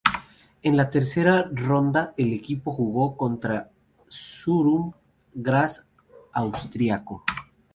En la tercera ronda el equipo jugó contra el Sturm Graz austríaco.